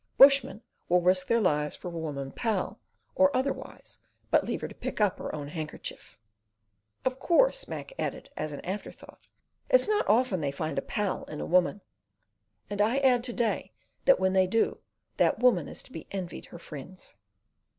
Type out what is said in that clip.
Bushmen will risk their lives for a woman pal or otherwise but leave her to pick up her own handkerchief. "Of course!" Mac added, as an afterthought. "It's not often they find a pal in a woman"; and I add to day that when they do, that woman is to be envied her friends.